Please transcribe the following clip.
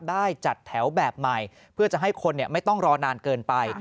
ได้จัดแถวแบบใหม่เพื่อจะให้คนไม่ต้องรอนานเกินไป